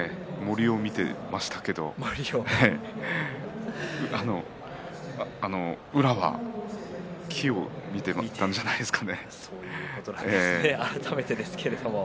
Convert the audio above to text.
森を見ていましたけれども宇良は、木を見ていたんじゃないですかね。